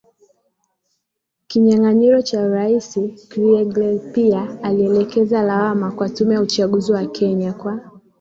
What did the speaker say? kinyanganyiro cha Urais Kriegler pia alielekeza lawama kwa Tume ya Uchaguzi ya Kenya kwa